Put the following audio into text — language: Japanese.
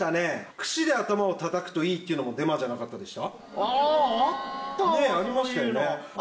くしで頭をたたくといいっていうのもデマじゃなかったでした？